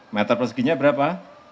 metar perseginya berapa